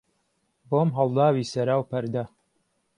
بۆم ههڵداوی سەرا و پهرده